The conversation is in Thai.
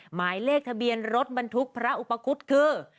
หมายเลขทะเบียนรถบรรทุกพระอุปคุฎคือ